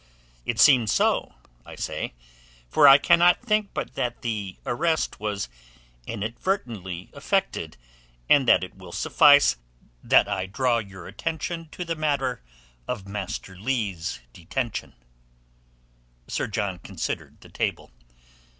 It seems so, I say. For I cannot think but that the arrest was inadvertently effected, and that it will suffice that I draw your attention to the matter of Master Leigh's detention." Sir John considered the table.